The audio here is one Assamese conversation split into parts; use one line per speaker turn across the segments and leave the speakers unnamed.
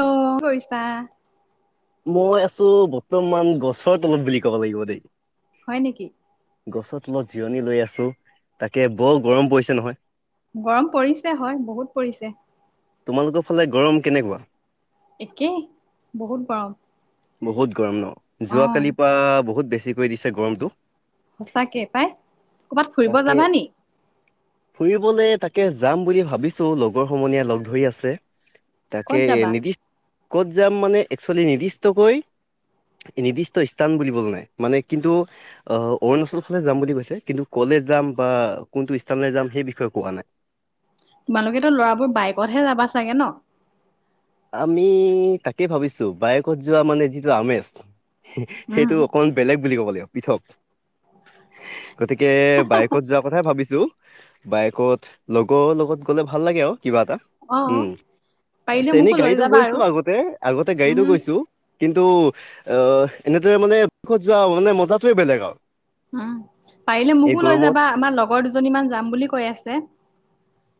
অ কি কৰিছা‌?
মই আছো বৰ্তমান গছৰ তলত বুলি ক'ব লাগিব দেই।
হয় নেকি?
গছত তলত জিৰণি লৈ আছোঁ তাকে বৰ গৰম পৰিছে নহয়।
গৰম পৰিছে হয় বহুত পৰিছে।
তোমালোকৰ ফালে গৰম কেনেকুৱা?
একেই বহুত গৰম।
বহুত গৰম ন
অ
যোৱাকালি পৰা বহুত বেছিকৈ দিছে গৰমটো।
সঁচাকে পাই ক'ৰবাত ফুৰিব যাবা নি।
ফুৰিবলৈ তাকে যাম বুলি ভাবিছোঁ লগৰ সমনীয়াই লগ ধৰি আছে। তাকে
ক'ত যাবা
নিৰ্দিষ্ট ক'ত যাম মানে একচুৱেলি নিৰ্দিষ্টকৈ নিৰ্দিষ্ট স্থান বুলিবলৈ নাই, মানে কিন্তু আহ অৰুণাচলৰ ফালে যাম বুলি কৈছে কিন্তু কলে যাম বা কোনটো স্থানলৈ যাম সেই বিষয়ে কোৱা নাই।
তোমালোকেতো ল'ৰাবোৰ বাইকতহে যাবা চাগে ন।
আমি তাকে ভাবিছোঁ বায়েকত যোৱা মানে যিটো আমেজ।
উম
সেইটো অকণমান বেলেগ বুলি ক'ব লাগিব পৃথক। গতিকে বাইকত যোৱা কথাই ভাবিছোঁ। বাইকত লগৰ লগত গ'লে ভাল লাগে আৰু কিবা এটা
অ
উম তাৰপিছ
পাৰিলে মোকো লৈ
গাড়ীটো
যাবা
গৈছো
আৰু
আগতে- আগতে
উম
গাড়ীটো গৈছো কিন্তু অ এনেদৰে মানে ক'ত যোৱা মানে মজাটোৱে বেলেগ আৰু।
উম পাৰিলে
এই
মোকো লৈ
গৰমত
যাবা আমাৰ লগৰ দুজনী মান যাম বুলি কৈ আছে।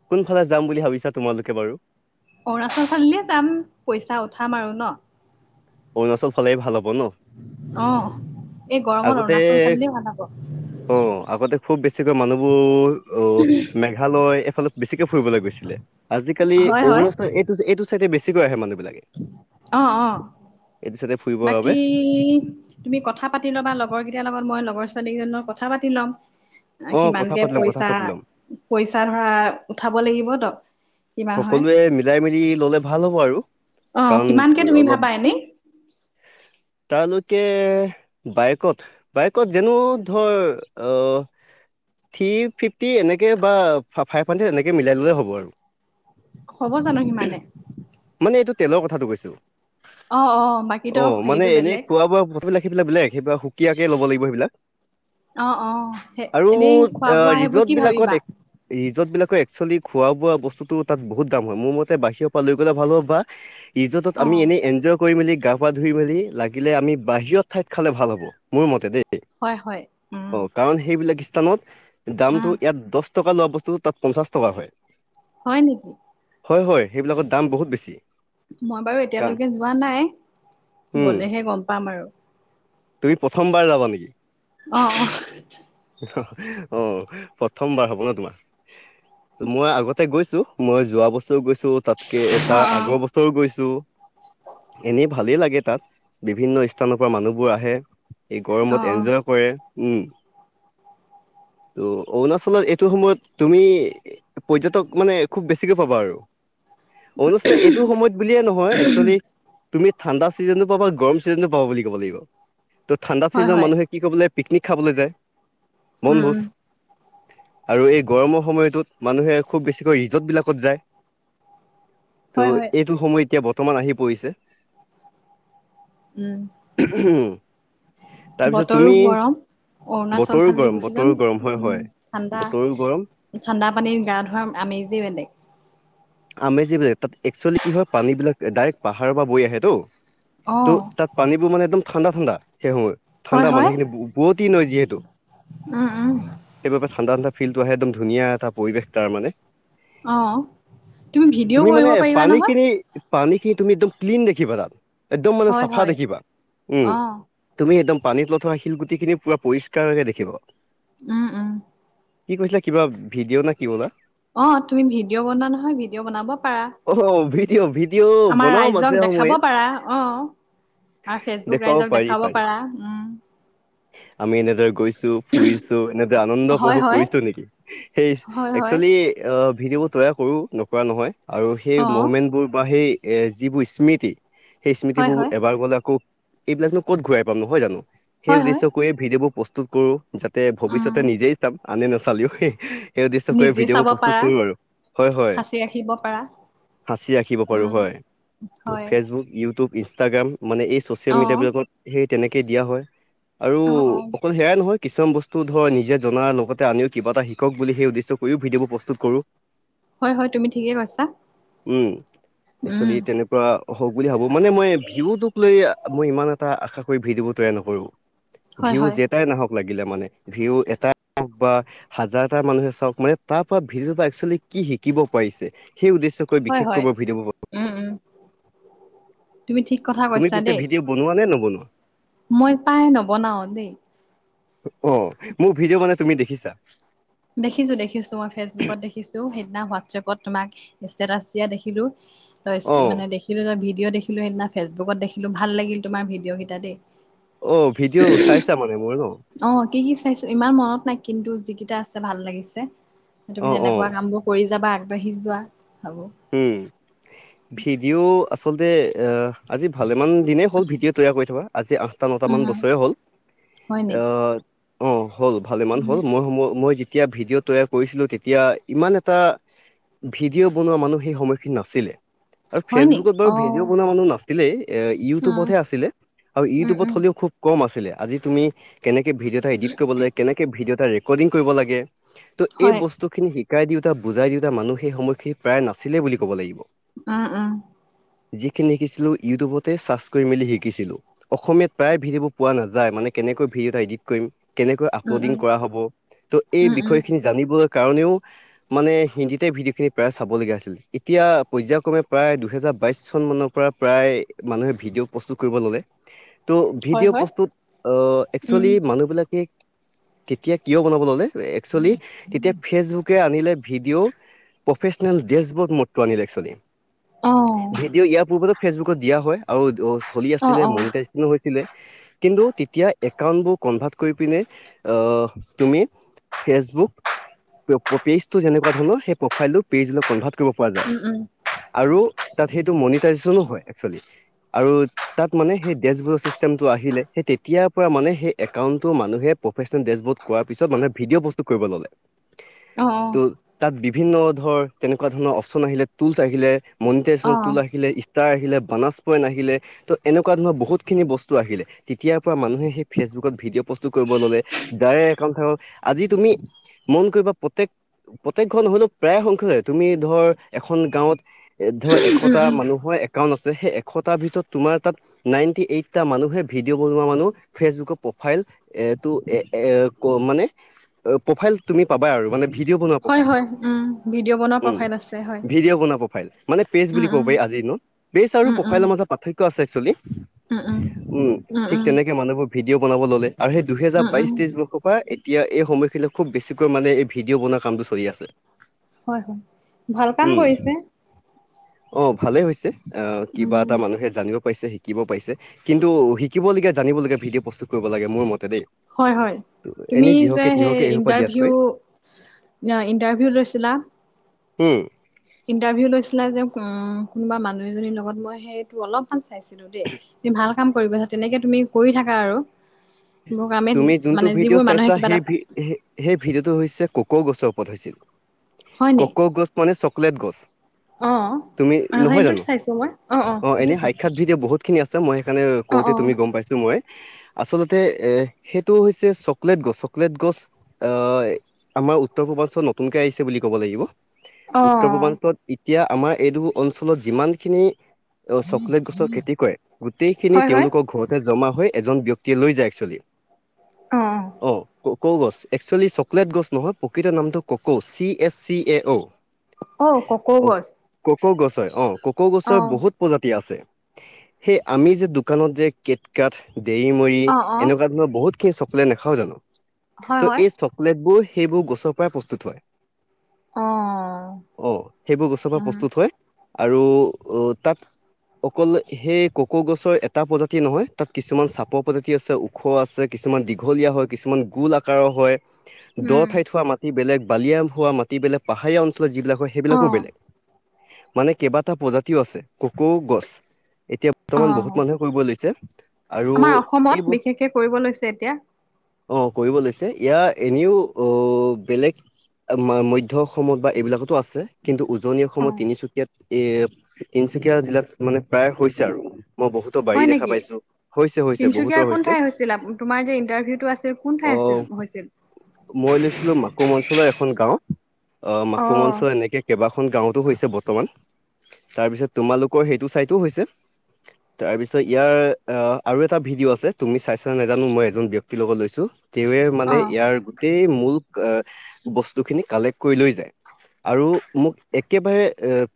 কোনফালে যাম বুলি ভাবিছা তোমালোকে বাৰু।
অৰুণাচল ফালিলে যাম পইচা উঠাম আৰু ন।
অৰুণাচল ফালে ভাল হ'ব ন।
অহ এই গৰমত
আগতে
অৰুণাচল ফালেই ভাল হব।
অ আগতে খুব বেছিকৈ মানুহবোৰ আহ মেঘালয় এইফালে বেছিকে ফুৰিবলৈ গৈছিলে। আজিকালি
হয়
অৰুণাচল এইটো এইটো চাইডে বেছিকৈ আহে মানে।
অহ-অহ
এইটো চাইডে ফুৰিবৰ বাবে
বাকী তুমি কথা পাতি ল'বা লগ লগৰ কেইটাৰ লগত মই লগৰ ছোৱালী কেইজনী লগত কথা পাতি ল'ম।
অ কথা
কিমানকে
পাতি ল'ম কথা
পইচা
পাতি ল'ম।
পইচা ধৰা উঠাব লাগিব ত। কিমান হয়
সকলোৱে মিলাই মিলি ললে ভাল হ'ব আৰু।
অ
কাৰণ
কিমানকে তুমি
অলপ
ভাবা এনেই
তালৈকে বাইকত বাইকত যেনো ধৰ অহ থ্ৰী ফিফটি এনেকৈ বা ফাইভ হাণ্ড্ৰেড এনেকৈ মিলাই ল'লে হ'ব আৰু।
হ'ব জানো সিমানে
মানে এইটো তেলৰ কথাটো কৈছো,
অ অ বাকীতো
অ মানে
হেৰিটো
এনে
বেলেগ
খোৱা- বোৱা বস্তুবিলাক বেলেগ সেই কিয়াকে ল'ব লাগিব সেইবিলাক।
অ অ সেই
আৰু
এনেই খোৱা
এ
বোৱা সেইবোৰ
ৰিজৰ্ট
কি ভাবিবা
বিলাকত য'ত বিলাকে একচুৱেলি খোৱা-বোৱা বস্তুটো তাত বহুত দাম হয় মোৰ মতে বাহিৰৰ পৰা লৈ গ'লে ভাল হ'ব বা ত ৰিজৰ্ট
অ
আমি এনে এনজয় কৰি মেলি গা পা ধুই মেলি লাগিলে আমি বাহিৰত ঠাইত খালে ভাল হ'ব মোৰ মতে দেই।
হয় হয় উম
অ কাৰণ সেইবিলাক ত
উম
দামটো ইয়াত দহ টকা লোৱা বস্তু তাত পঞ্চাশ টকা হয়।
হয় নেকি?
হয় হয় সেইবিলাকৰ দাম বহুত বেছি।
মই বাৰু
কাৰণ
এতিয়ালৈকে যোৱা নাই,
উম
গলেহে গম পাম আৰু।
তুমি প্ৰথমবাৰ যাবা নেকি?
অ অ।
অ প্ৰথমবাৰ হ'ব ন তোমাৰ। মই আগতে গৈছো মই যোৱা বছৰ গৈছো তাতকে
অ অ
এটা আগৰ বছৰো গৈছো এনেই ভালেই লাগে তাত বিভিন্ন স্থানৰ পৰা মানুহবোৰ আহে এই
অ
গৰমত
অ অ
এনজয় কৰে উম
[unintelligible]
ত' অৰুণাচলত এইটো সময়ত তুমি পৰ্যটক মানে খুব বেছিকে পাবা আৰু অনুষ্ঠ এইটো সময়ত বুলিয়ে নহয় একচুৱেলি তুমি ঠাণ্ডা ছিজনো পাব বা গৰম ছিজনো পাব বুলি ক'ব লাগিব ত' ঠাণ্ডা
হয়
ছিজনৰ
হয়
মানুহে কি কব ললে পিকনিক খাবলৈ যায়
উম
বনভোজ
উম
আৰু এই গৰমৰ সময়টোত মানুহে খুব বেছিকৈ ৰিজৰ্টবিলাকত যায়
হয় হয়
ত' এইটো সময় এতিয়া বৰ্তমান আহি পৰিছে
উম
তাৰপিছত
বতৰো
তুমি
গৰম অণ
বতৰো
চনফালদি
গৰম
গুচি যাম
বতৰো গৰম হয়
উম
হয়
ঠাণ্ডা
বতৰো গৰম
ঠাণ্ডা পানীত গা ধোৱাৰ আমেজেই বেলেগ
আমেজী বেলেগ তাত এক্চুৱেলি কি হয় পানী বিলাক ডাইৰেক্ট পাহাৰৰ পৰা বৈ আহেতো
অ',
ত' তাত পানীবোৰ মানে একদম ঠাণ্ডা ঠাণ্ডা সেই সময়ত
হয়
ঠাণ্ডা
হয়।
পানীখিনি বোৱতি নৈ যিহেতু
উম, উম,
সেইবাবে ঠাণ্ডা ঠাণ্ডা। ফিল্ডটো আহে একদম ধুনীয়া এটা পৰিৱেশ তাৰ মানে
অ তুমি ভিডিঅ' কৰিব
মানে
পাৰিবা নহয়
পানীখিনি পানীখিনি তুমি একদম ক্লিন দেখিবা তাত একদম মানে
হয়
চাফা
হয়।
দেখিবা উম
অ',
তুমি একদম পানীত তলত থকা শিলগুটি খিনি পুৰা পৰিষ্কাৰকে দেখিব
উম উম
কি কৈছিলা কিবা ভিডিঅ' না কি বলা‌?
অ তুমি ভিডিঅ' বনোৱা নহয় ভিডিঅ' বনাব
অ ভিডিঅ'
পাৰা
ভিডিঅ'
আমাৰ
বনাও মাজে
ৰাইজক দেখাব
সময়ে
পাৰা আহ আৰু ফেচবুক
দেখুৱাব
ৰাইজক
পাৰি
দেখাব
পাৰি
পাৰা
আমি এনেদৰে গৈছো ফুৰিছো এনেদৰে আনন্দ
হয়
উপভোগ
হয়।
কৰিছো নেকি সেই
হয় হয়।
একচুৱেলি অ ভিডিঅবোৰ তৈয়াৰ কৰো নকৰা নহয় আৰু সেই
অ',
মমেণ্টবোৰ বা সেই এ যিবোৰ স্মৃতি সেই
হয়
স্মৃতিবোৰ
হয়।
এবাৰ গ'লে আকৌ এইবিলাকনো ক'ত ঘূৰাই পাম নহয় জানো সেই
হয় হয়।
উদ্দেশ্য কৰিয়ে ভিডিঅ' বোৰ প্ৰস্তু কৰো যাতে
উম,
ভৱিষ্যতে নিজেই চাম আনে নাচালিও সেই উদ্দেশ্য কৰি
নিজে
ভিডিঅ' বোৰ
চাব
প্ৰস্তুত
পাৰা,
কৰো আৰু ৰা হয়
সাঁচি ৰাখিব পাৰা। উম হয়
ইউটিউব ইনষ্টাগ্ৰাম মানে এই চচিয়েল
অ
মিডিয়াবলাকত সেই তেনেকেই দিয়া হয় আৰু
অ অ
অকল সেয়াই নহয় কিছুমান বস্তু ধৰ নিজে জনাৰ লগতে আনিও কিবা এটা শিকক বুলি সেই উদ্দেশ্য কৰিও ভিডিঅ'ব প্ৰস্তুত কৰোঁ
হয় হয় তুমি ঠিকে কৈছা
উম একচেলি
উম
তেনেকুৱা হওক বুলি ভাবো মানে মই ভিউটোক লৈ মই ইমান এটা আশা কৰি ভিডিঅ' বোৰ তৈয়াৰ নকৰো
হয়
ভিউজ
হয়
যেটাই নাহক লাগে মানে ভিও এটা বা হাজাৰটা মানুহে চাওক মানে তাৰ পৰা ভিউজৰ পৰা এক্সুয়েলি কি শিকিব পাৰিছে সেই উদ্দেশ্যকৈ
হয়
বিশেষকৈ
হয়
মই ভিডিঅ'বোৰ
উম উম তুমি ঠিক কথা
তুমি
কৈছা
পিছে
দেই
ভিডিঅ' বনোৱা নে নবনোৱা
মই পায় ন বনাওঁ দেই
অ মোৰ ভিডিঅ' বনাই তুমি দেখিছা
দেখিছো দেখিছো মই ফেচবুকত দেখিছো সেইদিনা হোৱাটছএপত তোমাক ষ্টেটাছ দিয়া দেখিলো তই
অ
মানে দেখিলো তই ভিডিঅ' দেখিলো সেইদিনা ফেচবুকত দেখিলো ভাল লাগিল তোমাৰ ভিডিঅ' কেইটা দেই
অ ভিডিঅ' চাইছা মানে মোৰ ন
অ কি কি চাইছো ইমান মনত নাই কিন্তু যিকেইটা আছে ভাল লাগিছে তুমি
অ অ
তেনেকুৱা কাম বোৰ কৰি যাবা আগবাঢ়ি যোৱা ভাবো
উম ভিডিঅ' আচলতে এ আজি ভালেমান দিনেই হ'ল ভিডিঅ' তৈয়াৰ কৰি থকা আজি আঠটা নটামান
উম
বছৰে হ'ল
হয় নি
অঁ। হ'ল ভালে ইমান
উম
হ'ল মইই মই। যেয়া ভিডিঅ তৈয়াৰ কৰিছিলো তেতিয়া ইমান এটা ভিডিঅ' বনোৱা মানুহ। সেই সময়খিনিত নাছিলে আৰু
হয় নি
ফেচবুকত বাৰু
অ
ভিডিঅ' বনোৱা মানুহ নাছিলেই। এ
উম
ইউটিউবতহে আছিলে আৰু
উম
ইউটিউবত
উম
হ'লেও খুব কম আছিলে আজি তুমি কেনে। ভিডিঅ' এটা ইডিত কৰিবলে কেনেকে ভিডিঅ ৰেকৰ্ডিং কৰিব লাগে এই
হয়
বস্তু খিনি শ। শিকাই দিওঁতা বুজাই দিওঁতা মানুহ সেই সময়খিনি প্ৰায় নছিলে বুলি ক'ব লাগিব
উ উ
যিখিনি শিকিছিলো ইউটিউবতে চাৰ্চ কৰি মেলি শিকিছিলো অসমীয়াত প্ৰায় ভিডিঅ বোৰ পোৱা নাযায় মানে কেনে
উম উম
আ হব এই
উম উম
বিষয় জ কাৰণেও মানে হিন্দীতে ভিডিঅ' খিনি প্ৰায় চাবলগীয়া আছিল এতিয়া পৰ্যায়ক্ৰমে প্ৰায় দুহেজাৰ বাইশ চন মানৰ পৰা প্ৰায় মানুহে ভিডিঅ' প্ৰস্তুত কৰিব ল [unintelligible] ত'
হয়
ভিডিঅ'
হয়
বস্তুত
উম
একচলি মানুহবিলাকে কেতিয়া কিয় বনাব ল'লে একচুৱেলি তেতিয়া ফেচবুকে আনিলে ভিডিঅ' প্ৰফেচনেল ডচবুত মৰটো আনিল এক্সোৱেলি
অ
ভিডিঅ' ইয়াৰ পূৰ্বত ফেচবুকত দিয়া হয় আৰু অ চলি
অ
আছিলে
অ
মটাৰজ কিন্তু তেতিয়া একাউোৰ কনভাৰ্ কৰি পিনে তুমি ফেচবুক পেজটো যেনেকুৱা ধৰণ সেই প্ৰাইল পে কনভাৰ্ট কৰিব পৰা যায়
উম উম
আৰু তাত সেইটো মনিটাইজেচনো হয় আৰু তাত মানে সেই ডচবুক চিমটো আহিলে তেতিয়াৰ পৰা মানে সেই একাউ মানুহে প্ৰেচনেলবড কৰ পিছত মানে ভিডিঅ' বস্তু কৰিব ললে
অ অ
ত' তাত বিভিন্ন ধৰ তেনেকুৱা ধৰণৰ অপচন আহিলে টুলচ আহিলে
অ
মনিটেশনতো লিলে ব পইিলে এনেকুৱা ধৰণৰ বহুত খিনি বস্তু আহিলে তেতিয় মান চুকত ভিডিঅ প্ৰসু কৰিব ললে একাউত আজি তুমি মন কৰিবা প্ৰত্যেক প্ৰত্যেক ঘন হ'লেও প্ৰায় সংখ্য। তুমি ধৰ এখন গাঁৱত এ ধৰ এশটা
উম
মানুহৰ একাউট আছে। সেই এশটাৰ ভিতৰত তোমাৰ তাত নাইনটি এইটটা মানুহে ভিডিঅ' বনোৱা মানুহ ফেচবুকৰ প্ৰফাইল। এটো এ এ ক মানে প্ৰফাইল তুমি পাবা আৰু মানে।
হয় হয় উ ভিডিঅ' বন।
উ ভিডিঅ' বনা প্ৰফাইল মানে পেজ
উম
বুলি ক'ব
উম
পাৰি আজি দিনত পেজ আৰু
উম উম
প্ৰফাইলৰ মাজত পাৰ্থক্য।
উম উম
উ
উম
ঠিক
উম
তেনেকে মানুহোৰ ভিডিঅ' বনাব ললে। আৰু সেই দুহেজাৰ
উম উম
বাইশ তেইশ বৰ্ষৰ পৰা। এতিয়া এই সময়খিনিত খুব বেছিকৈ মানে এই ভিডিঅ' বনোৱা কামটো চলি আছে।
হয় হয় ভাল কাম
উম,
কৰিছে।
অ ভালে হৈছে আহ কিবা
উম
এটা মানুহে জানিব। পছে শিকিব পাইছে কিন্তু শিকিব লগে জানিবলগীয়া ভিডিঅ' প্ৰস্তুত কৰিব লাগে মোৰ মতে দেই।
হয় হয়। তুমি
এনেই
যে
যিহকে
সেই
তিহকে এসোপা
ইণ্টাৰভিউ
দিয়াতকৈ
ইণ্টাৰভিউ লৈছিলা।
উম।
আছিলা যেম কোনোবা মানুহ এজনীৰ লগত মই সেইটো অলপমান চাইছিলো দেই ভাল। কাম কৰিব গৈছা তেনেকে তুমি কৰি থাকা আৰু্
তুমি যোনটো ভিডিঅ'
মানুহে
চাইছা
কিবা
সেই ভ
এটা
সেই ভিডিঅ'টো হৈছে ককৌ গছৰ। হৈছিল
হয় নি
ককৌ' গছ মানে চকলেট গছ।
অ
তুমি
অ
নহয়
সেইটোত
জানো
চাইছো মই
অ
সেইটো
এনে
চাইছো
সাক্ষাৎ ভিডিঅ' বহুত খিনি আছে। মই সেইকাৰণে
অ
কওঁতে
অ
তুমি গম পাইছো মই আচল। এ সেইটো হৈছে চকলেট গছ চক গছ আমাৰ উত্তৰ পূৰ্বল। নতুনকৈ আহিছে বুলি ক'ব লাগিব।
অ
উত্তৰ পূৰ্বাঞ্চলত এতিয়া আমাৰ এইটো অঞ্চলত যিমান খিনি। অ চকলেট গছৰ খেতি কৰে গোটেইখিনি
হয় হয়
তেওঁলোকৰ ঘৰতে জমা হৈ এজন ব্যক্তি লৈ যায় একচোৱেলি।
অহ
ক' গছ এক্সুৱেলি চকলেট গছ নহয় প্ৰকৃত নামটো কক' চি এচ চি এ অ'।
অ অ ককৌ
অ
গছ
ক'ক গছ হয় অ ক'ক
অ
গছৰ বহুত প্ৰজাতি আছে। সেই আমি যে দোকানত যে কেটকাঠ দেৰি মৰি
অ অ
এনেকুৱা ধৰণৰ বহুত সেই চকলেট নেখাও জানো
হয়
ত'
হয়
এই চকলেট বোৰ সেইবোৰ গছৰ পৰাই প্ৰস্তুত হয়।
অ
অহ সেইবোৰ গছৰ পৰা
উম
প্ৰস্তুত হয়। আৰু তাত অকল সেই ক। ক'ক গছৰ এটা প্ৰজাতি নহয় তাত কিছুমান চাপ। উপ প্ৰজাতি আছে, ওখ আছে, কিছুমান দীঘলীয়া হয় কিছুমান গোল আকাৰৰ হয়। দ
উম
ঠাইত হোৱা মাটি বেলেগ, বালিয়া হোৱা মাটি বেলেগ, পাহাৰীয়া অঞ্চল। যিবিলাক হয়
অ
সেইবিলাকো বেলেগ মানে কেইবাটা প্ৰজাতিও আছে। ক'ক গছ এতিয়া
অ
বৰ্তমান বহুত মানুহে কৰিব লৈছে। আৰু।
আমাৰ অসমত
এই বস্তু
বিশেষকে কৰিব লৈছে এতিয়া।
অ কৰিব লৈছে ইয়াৰ এনেও অ বেলেগ। মাধ্যয় অসমত বা এইবিলাকতো আছে কিন্তু। উজনি
অ
অসমৰ তিনিচুকীয়াত এ তিনিচুকীয়া জিলাত মানে প্ৰায় হৈছে আৰু। মই বহুতো বাৰী দেখা পাইছো, হৈছে হৈ।
তিনিচুকীয়াৰ কোন ঠাই হৈছিল তোমাৰ যে ইণ্টাৰভিউটো আছিল কোন
অ
ঠাই আছিল হৈছিল।
মই লৈছিলোঁ মাকুম অঞ্চলৰ এখন গাঁও। অ মাকুম অঞ্চল এনেকে কেইবাখ। খন গাঁওতো হৈছে বৰ্তমান তাৰপিছত তোমালোকৰ সেইটো চাইটো হৈছে। তাৰ পিছত ইয়াৰ আহ আৰু। এটা ভিডিঅ' আছে তুমি চাইছা নোজানো মই এজন ব্যক্তিৰ লগত লৈছো তেৱে মানে
অ',
ইয়াৰ গোটেই। বস্তুখিন কালেক কৰি লৈ যায়। আৰু মোক একেবাৰে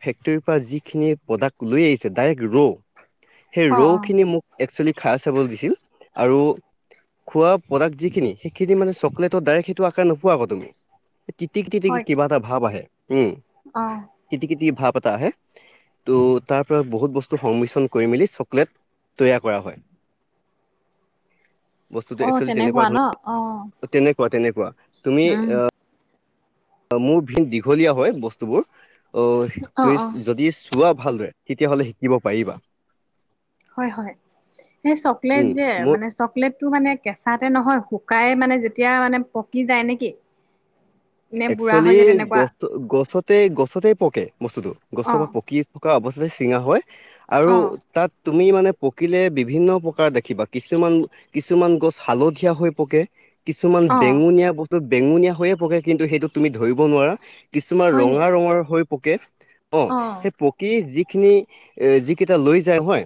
ফেক্টৰীৰ পৰা যিখিনি প্ৰডাক্ট লৈ আহিছে ডাইৰেক্ট ৰ'। সেই
অ',
ৰৌ
অ',
খিনি মোক একচুৱেলি খাই চাবলৈ দিছিল আৰু। খোৱা প্ৰডাক্ট যিখিনি সেইখিনি মানে চকলেটত ডাইৰেক্ট সেইটো আঁকাৰ নোপোৱা আকৌ তুমি। তিতিক তিতিকি
হয়।
কিবা এটা ভাৱ আহে উম
অ',
তিতিকি ভাৱ পতা আহে ত' তাৰ পৰা বহুত বস্তু সংমিশ্ৰণ কৰি মেলি চকলেট তৈয়াৰ কৰা হয়। বস্তুটো
অ',
একচুৱেলি তেনেকুৱা
ন অ',
ধৰৰ তেনেকুৱা তেনেকুৱা তুমি
উম।
আহ। মোৰ ভিন দীঘলীয়া হয় বস্তুবোৰ অ
অ',
তুইচ
অ',
লোৱা ভালদৰে তেতিয়া হ'লে শিকিব পাৰিবা।
হয় হয় সেই চকলেট
উম
যে
মোৰ
মানে চকলেটটো মানে কেঁচাতে নহয়। শুকাই মানে যেতিয়া মানে পকি যায় নেকি? নে বুঢ়া হৈ
একচুৱেলি
যায় তেনেকুৱা
গছ গছত গছতেই পকে বস্তুতটো গছৰ পৰা
অ',
পকি থকা অৱস্থাতে চিঙা হয়। আৰু
অ',
তাত তুমি মানে পকিলে বিভিন্ন প্ৰকাৰ দেখিবা কিছুমান কিছুমান গছ হালধীয়া হৈ পকে, কিছুমান
অ',
বেঙুনীয়া বস্তু বেঙুনীয়া হৈয়ে পকে কিন্তু সেইটো তুমি ধৰিব নোৱাৰা। কিছুমান
হয় নি
ৰঙা ৰঙৰ হৈ পকে অ সেই পকী যি যিখিনি এ যিকেইটা লৈ যায় হয়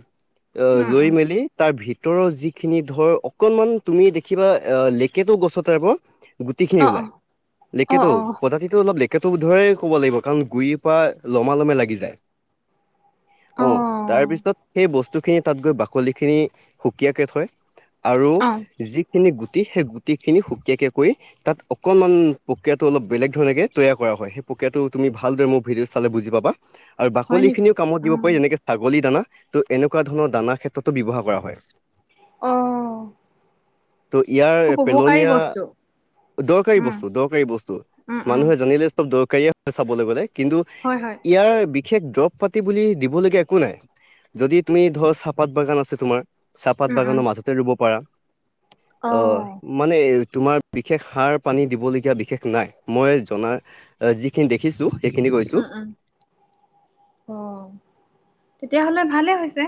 অ
উম,
লৈ
উম,
মেলি তাৰ ভিতৰ ভিতৰৰ যিখিনি ধৰ অকনমান তুমি দেখিবা লেকেটো গছৰ টাইপৰ গুটিখিনি
অ',
ওলাই
অ', অ',
লেকেটো
অ',
প্ৰজাতিটো অলপ লেকেটো ধৰে ক'ব লাগিব কাৰণ গুৰিৰ পৰা লমা লমে লাগি যায়। অ তাৰপিছত সেই বস্তু ব খিন তাত গৈ বাকি খিনি সুকীয়া কৰে থয় আৰু
অ',
যিখিনি গুটি সেই গুটি খিনি সুকীয়াকে কৈ তাত অকমান প্ৰক্ৰিয়াটো অলপ বেলেগ ধৰণে তৈয়াৰ কৰা হয় সেই প্ৰক্ৰিয়াটো তুমি ভালদৰে মোৰ ভিডিঅ' চালে বুজি পাবা। আৰু
হয়
বাকলি
নেকি?
খিনিও কামত দিব পাৰি
অ',
যেনেকে ছাগলী দানা ত' এনেকুৱা ধৰণৰ দানা ক্ষেত্ৰতো ব্যৱহাৰ কৰা হয়
আহ
ত' ইয়াৰ পেলনীয়া দৰকাৰী
উম।
বস্তু
উম উম
মানুহে জেনেৰেল লিষ্টত দৰকাৰী হয় চাবলৈ গলে
হয় হয়
বিশ বিশেষ দ্ৰবৱ পাতি বুলি দিবলগীয়া একো নাই যদি তুমি ধৰ চাহপাত বাগান আছে তোমাৰ
উম
চাহপাত
উম
বাগানৰ মাজতে ৰুব পাৰা অ মানে তোমাৰ বিশেষ সাৰ পানী দিবলগীয়া বিশেষ নাই মই জনাত যিখিনি দেখিছোঁ সেইখিনি
উম
কৈছো
উম অ তেতিয়াহলে ভালে হৈছে